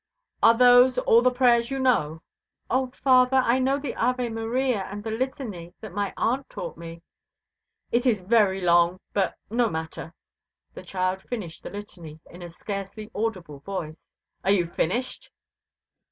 "Are those all the prayers you know?" "Oh! father, I know the Ave Maria and the litany that my aunt taught me." "It is very long, but no matter." The child finished the litany in a scarcely audible tone. "Are you finished?"